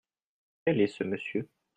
Quel est ce monsieur ?